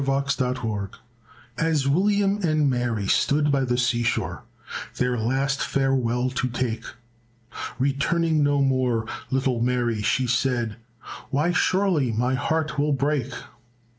LOVE IN DISGUISE As William and Mary stood by the seashore Their last farewell to take, Returning no more, little Mary she said, "Why surely my heart will break."